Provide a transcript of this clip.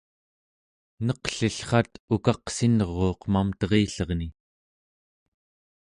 neqlillrat ukaqsinruuq mamterillerni